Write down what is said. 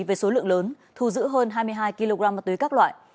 với số lượng lớn thu giữ hơn hai mươi hai kg ma túy các loại